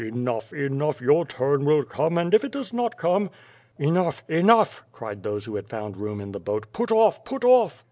Enough, enough, your turn will come and if it does not come " "Enough, enough," cried those who had found room in the boat. "Put off, put off!"